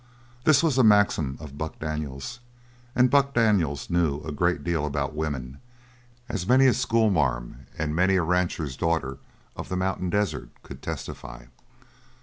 This was a maxim of Buck Daniels, and Buck Daniels knew a great deal about women, as many a school marm and many a rancher's daughter of the mountain desert could testify.